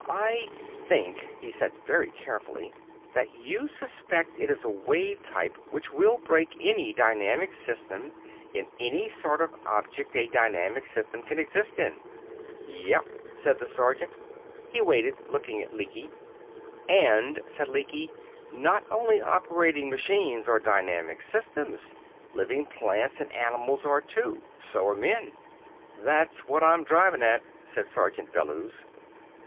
"I think," he said very carefully, "that you suspect it is a wave type which will break any dynamic system, in any sort of object a dynamic system can exist in." "Yeah," said the sergeant. He waited, looking at Lecky. "And," said Lecky, "not only operating machines are dynamic systems. Living plants and animals are, too. So are men." "That's what I'm drivin' at," said Sergeant Bellews.